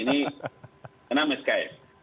ini enam sks